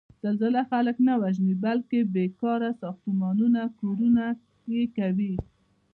زلزله خلک نه وژني، بلکې بېکاره ساختمانونه کورنه یې کوي.